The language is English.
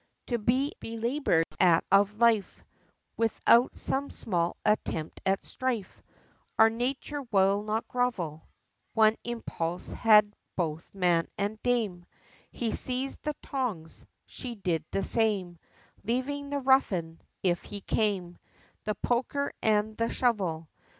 To be belabor'd at of life, Without some small attempt at strife, Our nature will not grovel; One impulse hadd both man and dame, He seized the tongs she did the same, Leaving the ruffian, if he came, The poker and the shovel.